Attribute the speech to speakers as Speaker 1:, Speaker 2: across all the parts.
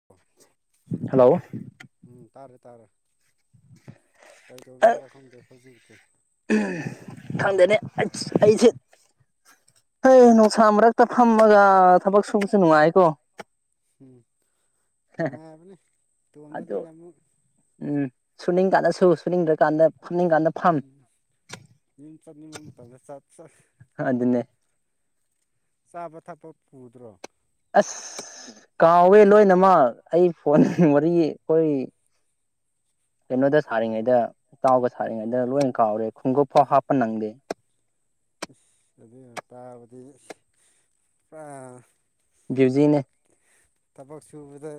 Speaker 1: ꯎꯝ [inaudible]
Speaker 2: hello
Speaker 1: ꯎꯝ ꯇꯥꯔꯦ ꯇꯥꯔꯦ ꯀꯩꯗꯧꯖꯔꯥ ꯈꯪꯗꯦ ꯍꯧꯖꯤꯛꯇꯎ
Speaker 2: ꯈꯪꯗꯅꯦ ꯑꯩꯁ ꯑꯩꯁꯦ [unintelligible] ꯍꯦ ꯅꯨꯡꯁꯥ ꯃꯔꯛꯇ ꯐꯝꯃꯒ ꯊꯕꯛ ꯁꯨꯕꯁꯦ ꯅꯨꯡꯉꯥꯏꯀꯣ
Speaker 1: ꯎꯝ ꯅꯅꯨꯡꯉꯥꯏꯕꯅꯦ
Speaker 2: ꯑꯗꯨ
Speaker 1: ꯏꯇꯣꯝꯗꯗꯤꯅꯦ ꯑꯃꯨꯛ
Speaker 2: ꯎꯝ ꯁꯨꯅꯤꯡ ꯀꯥꯟꯗ ꯁꯨ ꯁꯨꯅꯤꯡꯗ꯭ꯔꯀꯥꯟꯗ ꯐꯝꯅꯤꯡ ꯀꯥꯟꯗ
Speaker 1: ꯎꯝ ꯌꯨꯝ ꯆꯠꯅꯤꯡꯕ ꯃꯇꯝꯗ ꯆꯠ ꯆꯠ
Speaker 2: ꯑꯗꯨꯟꯅꯅꯦ
Speaker 1: ꯆꯥꯕ ꯊꯛꯄ ꯄꯨꯗ꯭ꯔꯣ
Speaker 2: ꯑꯁ ꯀꯥꯎꯋꯦ ꯂꯣꯏꯅꯃꯛ ꯑꯩ ꯐꯣꯟ ꯋꯥꯔꯤ ꯑꯩꯈꯣꯏ ꯀꯩꯅꯣꯗ ꯁꯥꯔꯤꯉꯩꯗ ꯀꯥꯑꯣꯕ ꯁꯥꯔꯤꯉꯩꯗ ꯂꯣꯏ ꯀꯥꯎꯔꯦ ꯈꯣꯡꯎꯞ ꯐꯥꯎ ꯍꯥꯞꯄ ꯅꯪꯗꯦ
Speaker 1: [unintelligible] ꯇꯥꯕꯗꯤ ꯄꯨꯔꯥ
Speaker 2: ꯒꯦꯖꯤꯜꯅ
Speaker 1: ꯊꯕꯛꯁꯨꯨꯕꯗ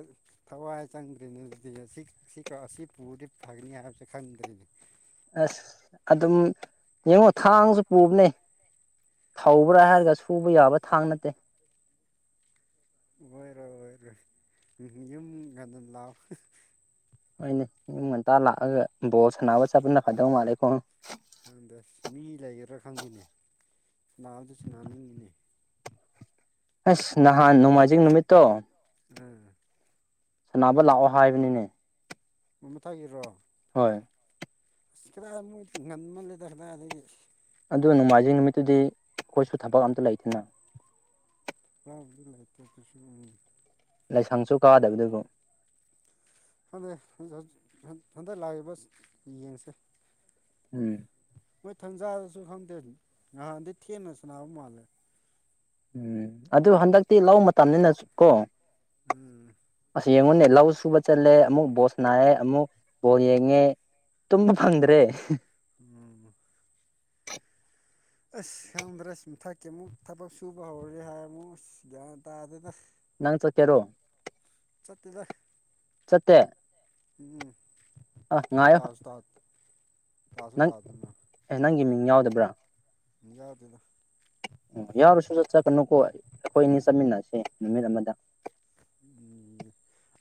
Speaker 1: ꯊꯋꯥꯏ ꯆꯪꯗ꯭ꯔꯤꯅꯦ ꯑꯗꯨꯗꯤ ꯁꯦ ꯁꯦ ꯑꯁꯤ ꯄꯨꯔꯗꯤ ꯐꯒꯅꯤ ꯍꯥꯏꯕꯁꯦ ꯈꯪꯗ꯭ꯔꯤꯅꯦ
Speaker 2: ꯑꯁ ꯑꯗꯨꯝ ꯌꯦꯡꯉꯣ ꯊꯥꯡꯁꯨ ꯄꯨꯕꯅꯦ ꯊꯧꯕ꯭ꯔꯥ
Speaker 1: ꯑꯁ
Speaker 2: ꯍꯥꯏꯔꯒ ꯁꯨꯕ ꯌꯥꯕ ꯊꯥꯡ ꯅ
Speaker 1: ꯑꯣꯏꯔꯣꯏ ꯑꯣꯏꯔꯣꯏ ꯌꯨꯝ ꯉꯟꯅꯥ ꯂꯥꯎ
Speaker 2: ꯍꯅꯦ ꯌꯨꯡ ꯉꯟꯇꯥ ꯂꯥꯛꯑꯒ ꯕꯣꯜ ꯁꯥꯟꯅꯕ ꯆꯠꯄꯅ ꯐꯗꯧ ꯃꯥꯜꯂꯦ ꯀꯣ
Speaker 1: ꯑꯪꯗ ꯁꯤ ꯃꯤ ꯂꯩꯥꯏꯒꯔ꯭ꯔ ꯈꯪꯗꯅꯦ [unintelligible] ꯁꯅꯤꯡꯉꯅꯤ
Speaker 2: ꯑꯁ ꯅꯍꯥꯟ ꯅꯣꯡꯃꯥꯏꯖꯤꯡ ꯅꯨꯃꯤꯠꯇꯣ
Speaker 1: ꯎꯝ
Speaker 2: ꯁꯥꯟꯅꯕ ꯂꯥꯛꯑꯣ ꯍꯥꯏꯕꯅꯤꯅꯦ
Speaker 1: ꯃ ꯃꯊꯛꯒꯤꯔꯣ
Speaker 2: ꯍꯣꯏ
Speaker 1: ꯑꯁ ꯀꯗꯥꯏ ꯃꯣꯏ ꯉꯟꯃꯜꯂꯦꯗ ꯀꯗꯥꯏꯗꯒꯤ
Speaker 2: ꯑꯗꯨ ꯅꯣꯡꯃꯥꯏꯖꯤꯡ ꯅꯨꯃꯤꯠꯇꯨꯗꯤ ꯑꯩꯈꯣꯏꯁꯨ ꯊꯕꯛ ꯑꯝꯇ ꯂꯩꯇꯦꯅ
Speaker 1: [unintelligible] ꯂꯥꯏꯇ꯭ꯔꯗꯨꯁꯨ [unintelligible]
Speaker 2: ꯂꯥꯏꯁꯪꯁꯨ ꯀꯥꯗꯕꯗ ꯀꯣ
Speaker 1: [unintelligible] ꯍꯟꯗꯛ ꯂꯥꯛꯏꯕ ꯌꯦꯡꯁꯦ
Speaker 2: ꯎꯝ
Speaker 1: ꯃꯣꯏ ꯊꯟꯖꯥꯗꯁꯨ ꯈꯪꯗꯦ ꯉꯍꯥꯟꯗꯤ ꯊꯦꯡꯅ ꯁꯥꯟꯅꯥꯕ ꯃꯥꯜꯂꯦ
Speaker 2: ꯎꯝ ꯑꯗꯨ ꯍꯟꯗꯛꯇꯤ ꯂꯧ ꯃꯇꯝꯅꯤꯅ ꯀꯣ
Speaker 1: ꯎꯝ
Speaker 2: ꯑꯁ ꯌꯦꯡꯉꯨꯅꯦ ꯂꯧ ꯁꯨꯕ ꯆꯠꯂꯦ ꯑꯃꯨꯛ ꯕꯣꯁ ꯅꯥꯏꯑꯦ ꯑꯃꯨꯛ ꯕꯣꯜ ꯌꯦꯡꯉꯦ ꯇꯨꯝꯕ ꯐꯪꯗ꯭ꯔꯦ
Speaker 1: ꯎꯝ ꯑꯁ ꯈꯪꯗ꯭ꯔꯦ ꯃꯊꯛꯀꯤ ꯑꯃꯨꯛ ꯊꯕꯛ ꯁꯨꯕ ꯍꯧꯔꯦ ꯍꯥꯏꯔ ꯑꯃꯨꯛ ꯑꯁ ꯒ꯭ꯌꯥꯟ ꯇꯥꯗꯦꯗ
Speaker 2: ꯅꯪ ꯆꯠꯀꯦꯔꯣ
Speaker 1: ꯆꯠꯇꯦꯗ
Speaker 2: ꯆꯠꯇꯦ
Speaker 1: ꯎꯝ ꯎꯝ
Speaker 2: ꯑꯥ
Speaker 1: ꯑꯩ
Speaker 2: ꯉꯥꯏꯌꯣ
Speaker 1: ꯇꯥꯁꯨ ꯇꯥ ꯇꯥꯁꯨ
Speaker 2: ꯅꯪ
Speaker 1: ꯇꯥꯗꯅ
Speaker 2: ꯑꯦ ꯅꯪꯒꯤ ꯃꯤꯡ ꯌꯥꯎꯗꯕ꯭ꯔꯥ
Speaker 1: ꯌꯥꯎꯗꯦꯅ
Speaker 2: ꯑꯣ ꯌꯥꯎꯔꯁꯨ ꯆꯠ ꯆꯠꯀꯅꯨꯀꯣ ꯑꯩꯈꯣꯏ ꯑꯅꯤ ꯆꯠꯃꯤꯟꯅꯁꯦ ꯅꯨꯃꯤꯠ ꯑꯃꯗ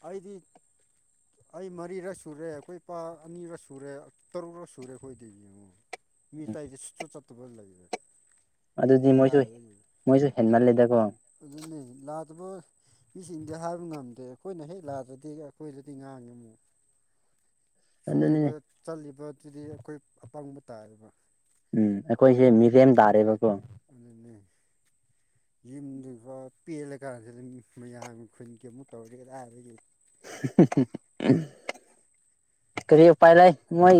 Speaker 1: ꯑꯩꯗꯤ ꯑꯩ ꯃꯔꯤꯔꯛ ꯁꯨꯔꯦ ꯑꯈꯣꯏ ꯏꯄꯥ ꯑꯅꯤꯔꯛ ꯁꯨꯔꯦ ꯇꯔꯨꯛꯔꯛ ꯁꯨꯔꯦ ꯑꯈꯣꯏꯗꯤ ꯃꯤ
Speaker 2: ꯎꯝ
Speaker 1: ꯇꯩꯗꯤ ꯁꯨꯛꯆꯠ ꯆꯠꯇꯕ ꯂꯩꯔꯦ ꯁꯤꯗꯤ
Speaker 2: ꯑꯗꯨꯗꯤ ꯃꯣꯏꯁꯨ
Speaker 1: ꯀꯗꯥꯏꯗꯒꯤ
Speaker 2: ꯃꯣꯏꯁꯨ ꯍꯦꯟꯃꯜꯂꯦꯗꯀꯣ
Speaker 1: ꯑꯗꯨꯅꯦ ꯂꯥꯛꯇꯕ ꯃꯤꯁꯤꯡꯗꯤ ꯍꯥꯏꯕ ꯉꯝꯗꯦ ꯑꯩꯈꯣꯏꯅ ꯍꯦꯛ ꯂꯥꯛꯗ꯭ꯔꯗꯤ ꯑꯩꯈꯣꯏꯗꯗꯤ ꯉꯥꯡꯉꯤ ꯑꯃꯨꯛ
Speaker 2: ꯑꯗꯨꯅꯤꯅꯦ
Speaker 1: ꯁꯨꯔꯤꯕ ꯆꯠꯂꯤꯕꯗꯨꯗꯤ ꯑꯩꯈꯣꯏ ꯑꯄꯪꯕ ꯇꯥꯏꯌꯦꯕ
Speaker 2: ꯎꯝ ꯑꯈꯣꯏꯁꯦ ꯃꯤꯔꯦꯝ ꯇꯥꯔꯦꯕꯀꯣ
Speaker 1: ꯑꯗꯨꯅꯦ ꯌꯨꯝꯒꯤꯕꯥꯎ ꯄꯦꯜꯂꯀꯥꯟꯁꯤꯗ ꯃꯌꯥꯝ ꯈꯨꯟꯒꯤ ꯑꯃꯨꯛ ꯇꯧꯔꯦ ꯀꯗꯥꯥꯏꯗꯒꯤ
Speaker 2: [unintelligible] ꯀ꯭ꯔꯤ ꯎꯄꯥꯏ ꯂꯩ ꯃꯣꯏ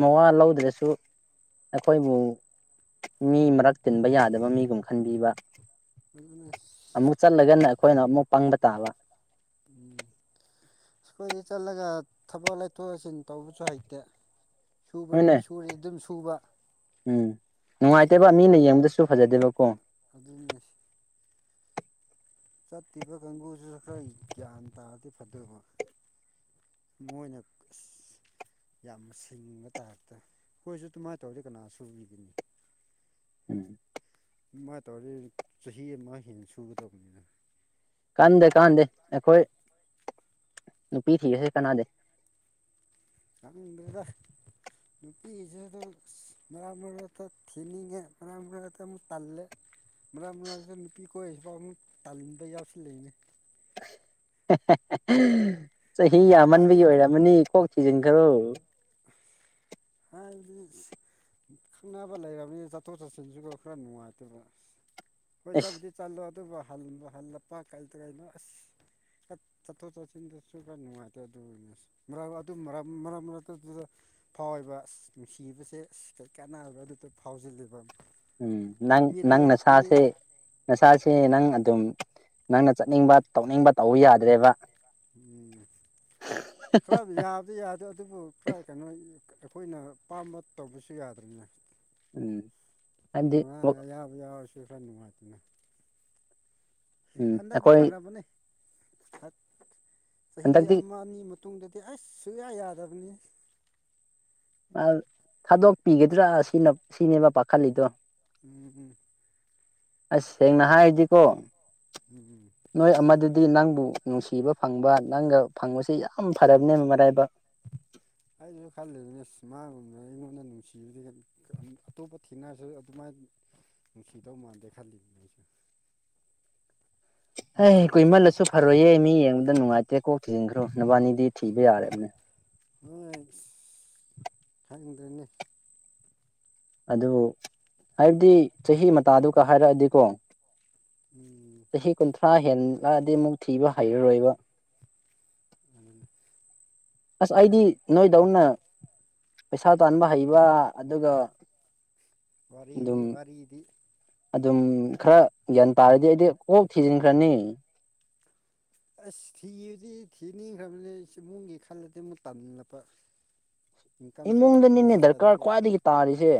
Speaker 2: ꯃꯋꯥ ꯂꯧꯗ꯭ꯔꯁꯨ ꯑꯩꯈꯣꯏꯕꯨ ꯃꯤ ꯃꯔꯛ ꯇꯤꯟꯕ ꯌꯥꯗꯕ ꯃꯤꯒꯨꯝ ꯈꯟꯕꯤꯕ
Speaker 1: ꯑꯗꯨꯅ
Speaker 2: ꯑꯃꯨꯛ ꯆꯠꯂꯒꯅ ꯑꯈꯣꯏꯅ ꯑꯃꯨꯛ ꯄꯪꯕ ꯇꯥꯕ
Speaker 1: ꯎꯝ ꯑꯩꯈꯣꯏꯗꯤ ꯆꯠꯂꯒ ꯊꯕꯛ ꯂꯩꯊꯣꯛ ꯂꯩꯁꯤꯟ ꯇꯧꯕꯁꯨ ꯍꯩꯇꯦ ꯁꯨꯕ
Speaker 2: ꯍꯣꯏꯅꯦ
Speaker 1: ꯁꯨꯔꯥꯗꯤ ꯑꯗꯨꯝ ꯁꯨꯕ
Speaker 2: ꯎꯝ ꯅꯨꯡꯉꯥꯏꯇꯦꯕ ꯃꯤꯅ ꯌꯦꯡꯕꯗꯁꯨ ꯐꯖꯗꯦꯕꯀꯣ
Speaker 1: ꯑꯗꯨꯅꯦ ꯍꯥꯢꯁꯤ ꯆꯠꯇꯤꯕ ꯀꯥꯡꯕꯨꯁꯤꯗ ꯈ꯭ꯔ ꯒ꯭ꯌꯥꯟ ꯇꯥꯔꯗꯤ ꯐꯗꯣꯏꯕ ꯃꯣꯏꯅ ꯑꯁ ꯌꯥꯝꯅ ꯁꯤꯡꯕ ꯇꯥꯏꯞꯇ ꯈꯣꯏꯁꯨ ꯑꯗꯨꯨꯃꯥꯏꯅ ꯇꯧꯔꯗꯤ ꯀꯅꯥ ꯁꯨꯕꯤꯒꯅꯤ
Speaker 2: ꯎꯝ
Speaker 1: ꯑꯗꯨꯃꯥꯏꯅ ꯇꯧꯔꯗꯤ ꯆꯍꯤ ꯑꯃ ꯍꯦꯟꯅ ꯁꯨꯒꯗꯕꯅꯤꯅ
Speaker 2: ꯀꯥꯟꯗꯦ ꯀꯥꯟꯗꯦ ꯑꯩꯈꯣꯏ ꯅꯨꯄꯤ ꯊꯤꯔꯁꯦ ꯀꯥꯟꯅꯗꯦ
Speaker 1: ꯈꯪꯗꯦꯗ ꯅꯨꯄꯤꯁꯦ ꯑꯗꯨꯝ ꯑꯁ ꯃꯔꯛ ꯃꯔꯛꯇ ꯊꯤꯅꯤꯡꯉꯦ ꯃꯔꯛ ꯃꯔꯛꯇ ꯑꯃꯨꯛ ꯇꯜꯂꯦ ꯃꯔꯛ ꯃꯔꯛꯇ ꯅꯨꯄꯤ ꯀꯣꯏꯔꯤꯁꯤꯐꯥꯎ ꯑꯃꯨꯛ ꯇꯥꯟꯕ ꯌꯥꯎꯁꯤꯜꯂꯛꯑꯦꯅꯦ
Speaker 2: ꯆꯍꯤ
Speaker 1: ꯍꯥꯏꯗꯤ
Speaker 2: ꯌꯥꯝꯃꯟꯕꯒꯤ ꯑꯣꯏꯔꯝꯃꯅꯤ ꯀꯣꯛ ꯊꯤꯖꯤꯟꯈ꯭ꯔꯣ
Speaker 1: [unintelligible] ꯈꯪꯅꯕ ꯂꯩꯔꯕꯅꯤꯅ ꯆꯠꯊꯣꯛ ꯆꯠꯁꯤꯟꯁꯨꯀ ꯈ꯭ꯔ ꯅꯨꯡꯉꯥꯏꯇꯕ ꯍꯣꯏ
Speaker 2: ꯑꯦꯁ
Speaker 1: ꯆꯠꯄꯗꯤ ꯆꯠꯂꯣ ꯑꯗꯨꯒ ꯍꯜ ꯍꯜꯂꯛꯄ ꯀꯩ ꯀꯩꯅꯣ ꯑꯁ ꯆꯠ ꯆꯠꯊꯣꯛ ꯆꯠꯁꯤꯟꯗꯁꯨ ꯈ꯭ꯔ ꯅꯨꯡꯉꯥꯏꯇꯦ ꯑꯗꯨꯅꯦ ꯃꯔꯛ ꯑꯗꯨ ꯃꯔꯛ ꯃꯔꯛ ꯑꯗꯨꯗ ꯐꯥꯎꯌꯦꯕ ꯅꯨꯡꯁꯤꯕꯁꯦ ꯏꯁ ꯀꯔꯤ ꯀꯥꯟꯅꯕ꯭ꯔꯥ ꯑꯗꯨꯗ ꯐꯥꯎꯁꯤꯜꯂꯤꯕ
Speaker 2: ꯎꯝ ꯅꯪ ꯅꯪ ꯅꯁꯥꯥꯁꯦ ꯅꯁꯥꯁꯦ ꯅꯪ ꯑꯗꯨꯝ ꯅꯪꯅ ꯆꯠꯅꯤꯡꯕ ꯇꯧꯅꯤꯡꯕ ꯇꯧ ꯌꯥꯗ꯭ꯔꯦꯕ
Speaker 1: ꯎꯝ ꯈ꯭ꯔ ꯌꯥꯕꯗꯤ ꯌꯥ ꯑꯗꯨꯕꯨ ꯈ꯭ꯔ ꯀꯩꯅꯣ ꯑꯩꯈꯣꯏꯅ ꯄꯥꯝꯕ ꯇꯧꯕꯁꯨ ꯌꯥꯗ꯭ꯔꯦꯅꯦ
Speaker 2: ꯎꯝ ꯍꯥꯏꯕꯗꯤ
Speaker 1: ꯃꯥ
Speaker 2: ꯋꯥꯛ
Speaker 1: ꯑꯌꯥꯕ ꯌꯥꯎꯔꯁꯨ ꯈ꯭ꯔ ꯅꯨꯡꯉꯥꯏꯗꯅ
Speaker 2: ꯎꯝ
Speaker 1: ꯍꯟꯗꯛꯗꯤ
Speaker 2: ꯑꯩꯈꯣꯏ
Speaker 1: ꯐꯔꯕꯅꯦ ꯆꯍꯤ
Speaker 2: ꯍꯟꯗꯛꯇꯤ
Speaker 1: ꯑꯃ ꯑꯅꯤ ꯃꯇꯨꯡꯗꯗꯤ ꯑꯁ ꯁꯨꯡꯌꯥ ꯌꯥꯗꯕꯅꯤ
Speaker 2: ꯊꯥꯗꯣꯛꯄꯤꯒꯗ꯭ꯔꯥ ꯑꯁꯤꯅ ꯁꯤꯅꯦꯕ ꯄꯥꯈꯠꯂꯤꯗꯣ
Speaker 1: ꯎꯝ
Speaker 2: ꯑꯁ ꯁꯦꯡꯅ ꯍꯥꯏꯔꯗꯤꯀꯣ
Speaker 1: ꯎꯝ
Speaker 2: ꯅꯣꯏ ꯑꯃꯗꯨꯗꯤ ꯅꯪꯕꯨ ꯅꯨꯡꯁꯤꯕ ꯐꯪꯕ ꯅꯪꯒ ꯐꯪꯕꯁꯤ ꯌꯥꯝ ꯐꯔꯕꯅꯦ ꯃꯔꯥꯏꯕꯛ
Speaker 1: ꯑꯩꯁꯨ ꯈꯜꯂꯤꯅꯤ ꯃꯥꯒꯨꯝꯕ ꯑꯩꯉꯣꯟꯗ ꯅꯨꯡꯁꯤꯕꯗꯤ ꯑꯇꯣꯞꯄ ꯊꯤꯅꯔꯁꯨ ꯑꯗꯨꯃꯥꯏꯅ ꯅꯨꯡꯁꯤꯗꯧ ꯃꯥꯟꯗꯦ ꯈꯜꯂꯤꯕꯅꯤ ꯑꯩꯁꯨ [inaudible]
Speaker 2: ꯍꯦ ꯀꯨꯏꯃꯜꯂꯁꯨ ꯐꯔꯣꯏꯌꯦ ꯃꯤ ꯌꯦꯡꯕꯗ ꯅꯨꯡꯉꯥꯏꯇ꯭ꯔꯦ ꯀꯣꯛ ꯊꯤꯖꯤꯟꯈ꯭ꯔꯣ ꯅꯕꯥꯅꯤꯗꯤ ꯊꯤꯕ ꯌꯥꯔꯦꯕꯅꯦ
Speaker 1: ꯍꯣꯢ ꯏꯁ ꯈꯪꯗꯦꯅꯦ
Speaker 2: ꯑꯗꯨ ꯍꯥꯏꯕꯗꯤ ꯆꯍꯤ ꯃꯇꯥꯗꯨꯒ ꯍꯥꯏꯔꯛꯑꯗꯤꯀꯣ
Speaker 1: ꯎꯝ
Speaker 2: ꯆꯍꯤ ꯀꯨꯟꯊ꯭ꯔꯥ ꯍꯦꯜꯂꯛ ꯑꯗꯤ ꯑꯃꯨꯛ ꯊꯤꯕ ꯍꯩꯔꯣꯏꯕ
Speaker 1: ꯑꯗꯨꯅꯦ
Speaker 2: ꯑꯁ ꯑꯩꯗꯤ ꯅꯣꯏꯗꯧꯅ ꯄꯩꯁꯥ ꯇꯥꯟꯕ ꯍꯩꯕ ꯑꯗꯨꯒ
Speaker 1: ꯋꯥꯔꯤꯗꯤ
Speaker 2: ꯑꯗꯨꯝ
Speaker 1: ꯋꯥꯔꯤꯗꯤ
Speaker 2: ꯑꯗꯨꯝ ꯈ꯭ꯔ ꯒ꯭ꯌꯥꯟ ꯇꯥꯔꯗꯤ ꯑꯩꯗꯤ ꯀꯣꯛ ꯊꯤꯖꯤꯟꯈ꯭ꯔꯅꯤ
Speaker 1: ꯑꯁ ꯊꯤꯕꯗꯤ ꯊꯤꯅꯤꯡꯈ꯭ꯔꯕꯅꯤ ꯑꯩ ꯏꯃꯨꯡꯒꯤ ꯈꯜꯂꯗꯤ ꯑꯃꯨꯛ ꯇꯜꯂꯛꯄ ꯏꯟꯀꯝꯁꯨꯨ ꯂꯩꯇ꯭ꯔꯤ
Speaker 2: ꯏꯃꯨꯡꯗꯅꯤꯅꯦ ꯗꯔꯀꯥꯔ
Speaker 1: ꯀꯗꯥꯢꯗꯥꯒꯤ
Speaker 2: ꯈ꯭ꯋꯥꯏꯗꯒꯤ ꯇꯥꯔꯤꯁꯦ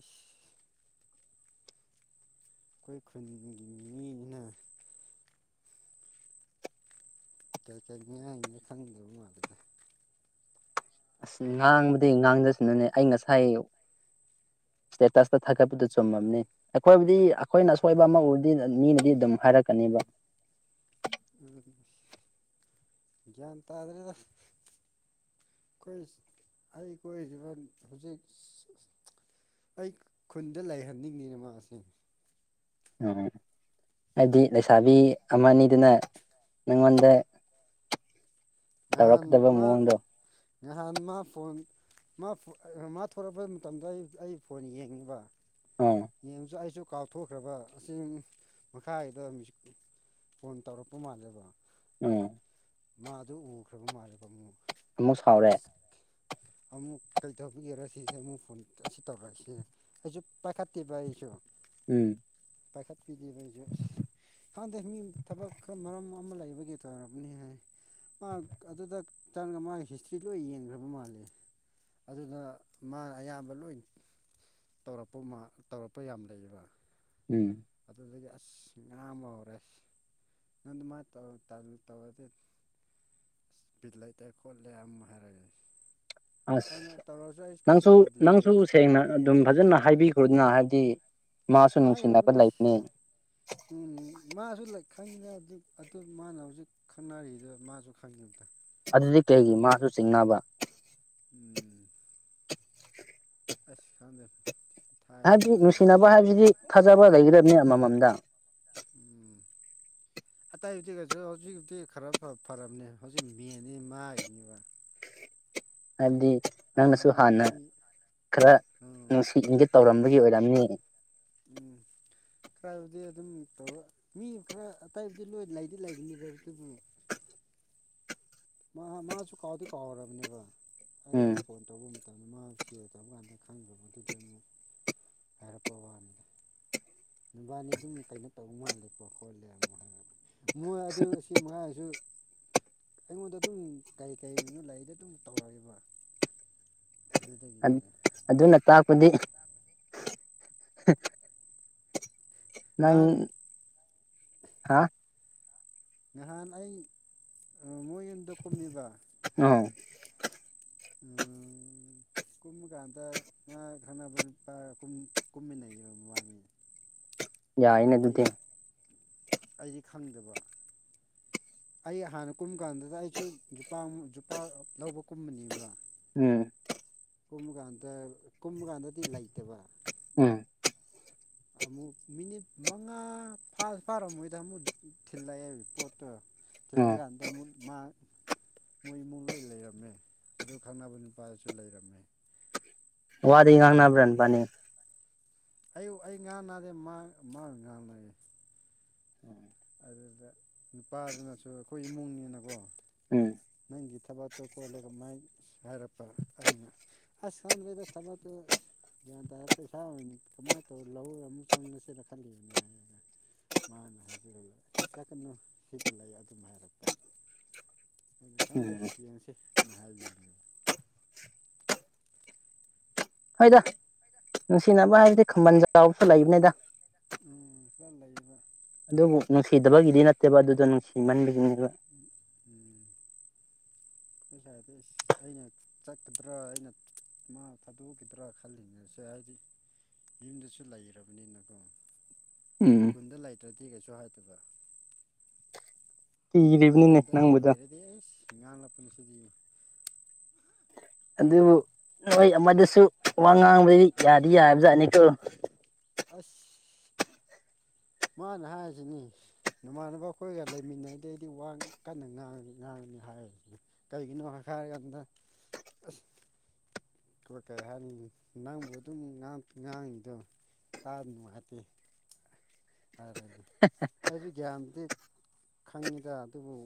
Speaker 1: ꯏꯁ ꯑꯩꯈꯣꯏ ꯈꯨꯟꯒꯤ ꯃꯤꯅꯤꯅ ꯀꯩ ꯀꯔꯤ ꯉꯥꯡꯅꯤꯅ ꯈꯪꯗꯕ ꯃꯥꯜꯂꯤꯗ
Speaker 2: ꯑꯁ ꯉꯥꯡꯕꯗꯤ ꯉꯥꯡꯖꯁꯥꯅꯨꯅꯦ ꯑꯩ ꯉꯁꯥꯏ ꯑꯌꯨꯛ ꯁꯇꯦꯇꯁ ꯇꯥ ꯊꯥꯒꯠꯄꯥꯗꯨ ꯆꯨꯝꯃꯝꯅꯦ ꯑꯩꯈꯣꯏꯕꯨꯗꯤ ꯑꯩꯈꯣꯏꯅ ꯑꯁꯣꯏꯕ ꯑꯃ ꯎꯔꯗꯤ ꯃꯤꯅꯗꯤ ꯑꯗꯨꯝ ꯍꯥꯏꯔꯛꯀꯅꯦꯕ
Speaker 1: ꯎꯝ ꯒ꯭ꯌꯥꯟ ꯇꯥꯗ꯭ꯔꯦꯗ꯫ ꯑꯩꯈꯣꯏ ꯑꯩ ꯀꯣꯏꯔꯤꯕ ꯍꯧꯖꯤꯛ ꯑꯩ ꯈꯨꯟꯗ ꯂꯩꯍꯟꯅꯤꯡꯉꯤꯅ ꯃꯥꯁꯦ꯫
Speaker 2: ꯎꯝ ꯍꯥꯏꯗꯤ ꯂꯩꯁꯥꯕꯤ ꯑꯃꯅꯤꯗꯨꯅ ꯅꯪꯉꯣꯟꯗ꯫
Speaker 1: ꯉꯍꯥꯟ
Speaker 2: ꯇꯧꯔꯛꯀꯗꯕ
Speaker 1: ꯃꯥ
Speaker 2: ꯃꯑꯣꯡꯗꯣ
Speaker 1: ꯉꯍꯥꯟ ꯃꯥ ꯐꯣꯟ ꯃꯥ ꯊꯣꯛꯂꯥꯛꯄ ꯃꯇꯝꯗ ꯑꯩ ꯑꯩ ꯐꯣꯟ ꯌꯦꯡꯉꯤꯕ
Speaker 2: ꯎꯝ꯫
Speaker 1: ꯌꯦꯡꯁꯨ ꯑꯩꯁꯨ ꯀꯥꯎꯊꯣꯛꯈ꯭ꯔꯕ ꯑꯁꯤ ꯃꯈꯥꯒꯤꯗ ꯐꯣꯟ ꯇꯧꯔꯛꯄ ꯃꯥꯜꯂꯦꯕ꯫
Speaker 2: ꯎꯝ
Speaker 1: ꯃꯥꯗꯨ ꯎꯈ꯭ꯔꯕ ꯃꯥꯜꯂꯦꯕ ꯑꯃꯨꯡ
Speaker 2: ꯑꯃꯨꯛ ꯁꯥꯎꯔꯦ
Speaker 1: ꯑꯁ ꯑꯃꯨꯛ ꯀꯩ ꯇꯧꯕꯤꯒꯦꯔꯣ ꯁꯤꯁꯦ ꯑꯃꯨꯛ ꯐꯣꯟ ꯑꯁꯤ ꯇꯧꯔꯛꯑꯏꯁꯤ ꯑꯩꯁꯨ ꯄꯥꯏꯈꯠ ꯀꯤꯕ ꯑꯩꯁꯨ꯫
Speaker 2: ꯎꯝ꯫
Speaker 1: ꯄꯥꯏꯈꯥꯠꯄꯤꯗꯦꯕ ꯑꯩꯁꯨ꯫ ꯈꯪꯗꯦ ꯃꯤ ꯊꯕꯛ ꯈꯔ ꯃꯔꯝ ꯑꯃ ꯂꯩꯕꯒꯤ ꯇꯧꯔꯕꯅꯤ ꯍꯥꯏ ꯃꯥ ꯑꯗꯨꯗ ꯆꯪꯒ ꯃꯥ ꯍꯤꯁꯇ꯭ꯔꯤ ꯂꯣꯏ ꯌꯦꯡꯈ꯭ꯔꯕ ꯃꯥꯜꯂꯦ꯫ ꯑꯗꯨꯅ ꯃꯥꯅ ꯑꯌꯥꯝꯕ ꯂꯣꯏ ꯇꯧꯔꯛꯄ ꯃꯥ ꯇꯧꯔꯛꯄ ꯌꯥꯝ ꯂꯩꯌꯦꯕ꯫
Speaker 2: ꯎꯝ꯫
Speaker 1: ꯑꯗꯨꯗꯒꯤ ꯑꯁ ꯉꯥꯡꯕ ꯍꯧꯔꯦ꯫ ꯅꯪ ꯑꯗꯨꯃꯥꯏ ꯇꯧꯔꯗꯤ ꯇꯥꯅ ꯇꯧꯔꯗꯤ꯫ ꯕꯤꯠ ꯂꯩꯇꯦ ꯈꯣꯠꯂꯦ ꯑꯃꯨ ꯍꯥꯏꯔꯑꯦ꯫
Speaker 2: ꯑꯁ
Speaker 1: ꯀꯩꯁꯨ
Speaker 2: ꯅꯪꯁꯨ
Speaker 1: ꯇꯧꯗꯤꯌꯦ
Speaker 2: ꯅꯪꯁꯨ ꯁꯦꯡꯅ ꯑꯗꯨꯝ ꯐꯖꯅ ꯍꯥꯏꯕꯤꯈ꯭ꯔꯣꯗꯅ ꯍꯥꯏꯕꯗꯤ꯫ ꯃꯥꯁꯨ ꯅꯨꯡꯁꯤꯅꯕ
Speaker 1: ꯍꯥꯏꯔꯥꯕꯅꯦ
Speaker 2: ꯂꯩꯕꯅꯤ
Speaker 1: ꯎꯝ ꯃꯥꯁꯨ ꯈꯪꯉꯤꯅ ꯑꯗꯨ ꯑꯗꯨ ꯃꯥꯅ ꯍꯧꯖꯤꯛ ꯈꯪꯅꯔꯤꯗ ꯃꯥꯁꯨ ꯈꯪꯜꯂꯤ ꯑꯝꯇ
Speaker 2: ꯑꯗꯨꯗꯤ ꯀꯩꯒꯤ ꯃꯥꯁꯨ ꯆꯤꯡꯅꯕ꯫
Speaker 1: ꯎꯝ꯫
Speaker 2: [inaudible]
Speaker 1: ꯑꯁ ꯈꯥꯟꯗꯦ
Speaker 2: ꯍꯥꯏꯕꯗꯤ ꯅꯨꯡꯁꯤꯅꯕ ꯍꯥꯏꯕꯁꯤꯗꯤ ꯊꯥꯖꯕ ꯂꯩꯒꯗꯕꯅꯦ ꯑꯃꯃꯥꯝꯗ
Speaker 1: ꯎꯝ꯫ ꯑꯇꯩꯕꯗꯤ ꯀꯩꯁꯨ ꯍꯧꯖꯤꯛ ꯍꯧꯛꯇꯤ ꯈꯔ ꯐꯔꯕꯅꯦ ꯍꯧꯖꯤꯛ ꯃꯦꯟꯅꯤ ꯃꯥꯒꯤꯅꯤꯕ꯫
Speaker 2: ꯍꯥꯏꯕꯗꯤ ꯅꯪꯅꯁꯨ
Speaker 1: ꯑꯩ
Speaker 2: ꯍꯥꯟꯅ
Speaker 1: ꯑꯩ
Speaker 2: ꯈꯔ
Speaker 1: ꯎꯝ
Speaker 2: ꯅꯨꯡꯁꯤ ꯏꯡꯒꯤꯠ ꯇꯧꯔꯝꯕꯒꯤ ꯑꯣꯏꯔꯝꯅꯤ꯫
Speaker 1: ꯎꯝ꯫ ꯈꯔꯕꯨꯗꯤ ꯑꯗꯨꯝ ꯇꯧꯔ ꯃꯤ ꯈꯔ ꯑꯇꯩꯕꯨꯗꯤ ꯂꯣꯏ ꯂꯩꯗꯤ ꯂꯩꯒꯅꯤꯗꯕ ꯑꯗꯨꯕꯨ ꯃꯥ ꯃꯥꯁꯨ ꯀꯥꯎꯗꯤ ꯀꯥꯎꯈꯔꯕꯅꯦꯕ ꯑꯩ ꯑꯗꯨ
Speaker 2: ꯎꯝ
Speaker 1: ꯐꯣꯟ ꯇꯧꯕ ꯃꯇꯝꯗ ꯃꯥ ꯆꯦꯜ ꯇꯧꯕ ꯀꯥꯟꯗ ꯈꯪꯗꯕꯗꯨꯗ ꯑꯃꯨꯛ ꯍꯥꯏꯔꯛꯄ ꯋꯥꯅꯤꯗ꯫ ꯅꯨꯕꯥꯅꯤ ꯑꯗꯨꯝ ꯀꯩꯅꯣ ꯇꯧꯕ ꯃꯥꯜꯂꯦꯀꯣ ꯈꯣꯠꯂꯦ ꯑꯃꯨꯛ ꯍꯥꯏꯔꯄ ꯃꯣꯏ ꯑꯗꯨ ꯁꯤ [unintelligible] ꯑꯩꯉꯣꯟꯗ ꯑꯗꯨꯝ ꯀꯔꯤ ꯀꯔꯤꯅꯣ ꯂꯩꯔꯤꯗ ꯑꯗꯨꯝ ꯇꯧꯔꯛꯑꯦꯕ꯫ ꯑꯗꯨꯗꯒꯤꯅꯦ꯫
Speaker 2: ꯑꯗꯨꯅ ꯇꯥꯛꯄꯗꯤ꯫ ꯅꯪ
Speaker 1: ꯅꯍꯥꯟ
Speaker 2: ꯍꯥ꯫
Speaker 1: ꯅꯍꯥꯟ ꯑꯩ ꯃꯣꯏ ꯌꯨꯝꯗ ꯀꯨꯝꯃꯤꯕ꯫
Speaker 2: ꯅꯣ
Speaker 1: ꯎꯝ ꯀꯨꯝꯕ ꯀꯥꯟꯗ ꯃꯥ ꯈꯪꯅꯕꯄꯥ ꯀꯨꯝꯃꯤꯟꯅꯩꯌꯦꯕ ꯃꯕꯥꯅꯤ
Speaker 2: ꯌꯥꯏꯅꯦ
Speaker 1: ꯍꯥꯢꯗꯤ
Speaker 2: ꯑꯗꯨꯗꯤ
Speaker 1: ꯑꯩꯗꯤ ꯈꯪꯗꯕ ꯑꯩ ꯍꯥꯟꯅ ꯀꯨꯝꯕ ꯀꯥꯟꯗꯨꯗ ꯑꯩꯁꯨ ꯖꯨꯄꯥꯛ ꯖꯨꯄꯥꯛ ꯂꯧꯕ ꯀꯨꯝꯕꯅꯦꯕ
Speaker 2: ꯎꯝ
Speaker 1: ꯀꯨꯝꯕ ꯀꯥꯟꯗ ꯀꯨꯝꯕ ꯀꯥꯟꯗꯗꯤ ꯂꯩꯇꯦꯕ
Speaker 2: ꯎꯝ
Speaker 1: ꯑꯃꯨꯛ ꯃꯤꯅꯤꯠ ꯃꯉꯥ ꯐꯥꯔ ꯐꯥꯔꯝ ꯃꯣꯏꯗ ꯑꯃꯨꯛ ꯊꯤꯜꯂꯛꯑꯦꯕ ꯄꯣꯠꯇꯣ
Speaker 2: ꯎꯝ
Speaker 1: ꯇꯤꯜꯂꯒ ꯀꯥꯟꯗ ꯃꯨꯛ ꯃꯥ ꯃꯣꯏ ꯏꯃꯨꯡ ꯂꯣꯏ ꯂꯩꯔꯝꯃꯦ ꯑꯗꯨꯒ ꯈꯪꯅꯕ ꯅꯨꯄꯥꯗꯨꯁꯨ ꯂꯩꯔꯝꯃꯦ [unintelligible]
Speaker 2: ꯋꯥꯗꯤ ꯉꯥꯡꯅꯕ꯭ꯔꯦꯟ ꯕꯅꯦ
Speaker 1: ꯑꯩꯌꯨꯛ ꯑꯩ ꯉꯥꯡꯅꯗꯦ ꯃꯥ ꯃꯥꯥꯅ ꯉꯥꯡꯕꯅꯦ
Speaker 2: ꯎꯝ
Speaker 1: ꯑꯗꯨꯗ ꯅꯨꯄꯥꯗꯨꯅꯁꯨ ꯑꯩꯈꯣꯏ ꯏꯃꯨꯡꯅꯤꯅꯀꯣ
Speaker 2: ꯎꯝ
Speaker 1: ꯅꯪꯒꯤ ꯊꯕꯥꯛꯇꯣ ꯀꯣꯠꯂꯒ ꯃꯥꯏ ꯍꯥꯏꯔꯛꯄ ꯑꯩꯅ ꯑꯁ ꯈꯪꯗ꯭ꯔꯦꯗ ꯊꯕꯇ ꯑꯁ ꯒ꯭ꯌꯥꯟ ꯇꯥꯔ ꯄꯩꯁꯥ ꯑꯣꯏꯅ ꯀꯃꯥꯏꯅ ꯇꯧꯔ ꯂꯧ ꯑꯃꯨꯛ ꯆꯪꯉꯁꯤꯅ ꯈꯜꯂꯤꯕꯅꯦ ꯍꯥꯏꯔꯒ ꯃꯥꯅ ꯍꯥꯏꯖꯔꯒ ꯆꯠꯀꯅꯨ ꯁꯤꯗ ꯂꯩꯌꯨ ꯑꯗꯨꯝ ꯍꯥꯏꯔꯛꯄ ꯑꯗꯨꯗꯤ ꯈꯪꯗꯦ
Speaker 2: ꯎꯝ
Speaker 1: ꯌꯦꯡꯁꯤ ꯑꯩꯅ ꯍꯥꯏꯕꯤꯅꯦꯕ
Speaker 2: ꯍꯣꯏꯗ ꯅꯨꯡꯁꯤꯅꯕ ꯍꯥꯏꯔꯗꯤ ꯈꯝꯕꯟ ꯆꯥꯎꯕꯁꯨ ꯂꯩꯕꯅꯤꯗ
Speaker 1: ꯎꯝ ꯁꯤꯗ ꯂꯩꯔꯤꯕ
Speaker 2: ꯑꯗꯨꯕꯨ ꯅꯨꯡꯁꯤꯗꯕꯒꯤꯗꯤ ꯅꯠꯇꯦꯕ ꯑꯗꯨꯗꯣ ꯅꯨꯡꯁꯤꯃꯟꯕꯒꯤꯅꯦꯕ
Speaker 1: ꯎꯝ ꯑꯩꯈꯣꯏ ꯁꯥꯢꯗꯣ ꯏꯁ ꯑꯩꯅ ꯆꯠꯀꯗ꯭ꯔꯥ ꯑꯩꯅ ꯃꯥ ꯊꯥꯗꯣꯛꯈꯤꯗ꯭ꯔꯥ ꯈꯜꯂꯤꯉꯁꯦ ꯍꯥꯏꯗꯤ ꯌꯨꯝꯗꯁꯨ ꯂꯩꯔꯕꯅꯤꯅꯀꯣ
Speaker 2: ꯎꯝ
Speaker 1: ꯀꯨꯟꯗ ꯂꯩꯇ꯭ꯔꯗꯤ ꯀꯩꯁꯨ ꯍꯥꯏꯗꯕ
Speaker 2: ꯀꯤꯔꯤꯕꯅꯤꯅꯦ
Speaker 1: ꯈꯨꯟꯗ ꯍꯦꯛ
Speaker 2: ꯅꯪꯕꯨꯗꯣ
Speaker 1: ꯂꯩꯔꯗꯤ ꯑꯁ ꯉꯥꯡꯂꯛꯄꯅꯤ ꯁꯤꯗꯤ
Speaker 2: ꯑꯗꯨꯕꯨ ꯅꯣꯏ ꯑꯃꯗꯨꯁꯨ ꯋꯥ ꯉꯥꯡꯕꯗꯤ ꯌꯥꯗꯤ ꯌꯥꯕ ꯖꯥꯠꯅꯤꯀꯣ
Speaker 1: ꯑꯁ ꯃꯥꯅ ꯍꯥꯏꯖꯤꯅꯤ ꯅꯃꯥꯟꯅꯕ ꯑꯩꯈꯣꯏꯒ ꯂꯩꯃꯤꯟꯅꯔꯤ ꯑꯩꯗꯤ ꯋꯥ ꯀꯟꯅ ꯉꯥꯡ ꯉꯅꯤ ꯍꯥꯏꯔꯅꯤ ꯀꯩꯒꯤꯅꯣ ꯈꯔꯀꯥꯟꯗ ꯑꯁ ꯑꯗꯨꯒ ꯀꯩ ꯍꯥꯏꯅꯤ ꯅꯪꯕꯨ ꯑꯗꯨꯝ ꯉꯥꯡ ꯉꯥꯡꯉꯤꯗꯣ ꯇꯥꯔ ꯅꯨꯡ ꯍꯥꯇꯦ ꯍꯥꯏꯔꯦ ꯑꯗꯨ
Speaker 2: [unintelligible]
Speaker 1: ꯑꯩꯁꯨ ꯒ꯭ꯌꯥꯟꯗꯤ ꯈꯪꯉꯤꯗ ꯑꯗꯨꯕꯨ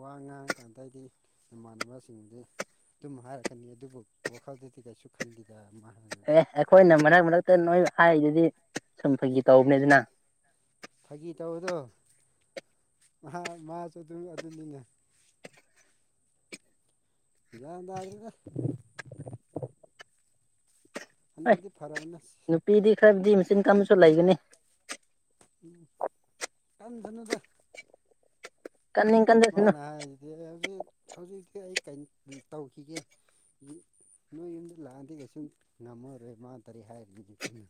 Speaker 1: ꯋꯥ ꯉꯥꯡ ꯉꯀꯥꯟꯗ ꯑꯩꯗꯤ ꯏꯃꯥꯟꯅꯕꯁꯤꯡꯗꯤ ꯑꯗꯨꯝ ꯍꯥꯏꯔꯛꯀꯅꯤ ꯑꯗꯨꯕꯨ ꯋꯥꯈꯜꯗꯨꯗꯤ ꯀꯩꯁꯨ ꯈꯟꯗꯦꯗ ꯃꯥꯅ ꯍꯥꯏꯔꯛꯑꯕ
Speaker 2: ꯇꯟ ꯅꯣꯏ ꯍꯥꯏꯔꯤꯗꯨꯗꯤ ꯁꯨꯝ ꯐꯩꯒꯤ ꯇꯧꯕꯅꯤ ꯑꯗꯨꯅ
Speaker 1: ꯐꯥꯒꯤ ꯇꯧꯕꯗꯣ ꯉꯍ ꯃꯥꯖꯨ ꯑꯗꯨꯝ ꯑꯗꯨꯅꯤꯅꯦ ꯒ꯭ꯌꯥꯟ ꯇꯥꯗ꯭ꯔꯦꯗ
Speaker 2: ꯑꯩ
Speaker 1: ꯍꯟꯗꯛꯇꯤ ꯐꯔꯕꯅꯦ
Speaker 2: ꯅꯨꯄꯤꯗꯤ ꯈꯔꯕꯨꯗꯤ ꯃꯆꯤꯟ ꯀꯟꯕꯁꯨ ꯂꯩꯒꯅꯤ
Speaker 1: ꯎꯝ ꯀꯟꯁꯅꯨꯗ
Speaker 2: ꯀꯟꯅꯤꯡ ꯀꯟꯖꯁꯅꯨ
Speaker 1: ꯃꯥꯅ ꯍꯥꯏꯔꯤꯖꯤꯗꯤ ꯑꯦ ꯍꯧꯖꯤꯛ ꯍꯧꯖꯤꯛꯀꯤ ꯑꯩ ꯀꯩ ꯇꯧꯈꯤꯒꯦ ꯅꯣꯏ ꯌꯨꯝꯗ ꯂꯥꯛꯑꯗꯤ ꯀꯩꯁꯨꯝ ꯉꯝꯃꯔꯣꯏ ꯃꯥ ꯇꯔꯦ ꯍꯥꯏ [unintelligible]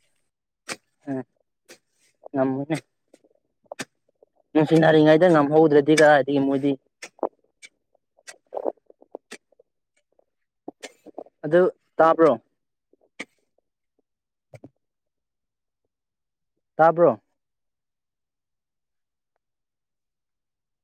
Speaker 2: ꯑꯦ ꯉꯝꯃꯅꯦ ꯅꯨꯡꯁꯤꯅꯔꯤꯉꯩꯗ ꯉꯝꯍꯧꯗ꯭ꯔꯗꯤ ꯀꯔꯥꯏꯗꯒꯤ ꯃꯣꯏꯗꯤ ꯑꯗꯨ ꯇꯥꯕ꯭ꯔꯣ [inaudible] ꯇꯥꯕ꯭ꯔꯣ